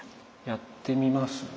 やってみます？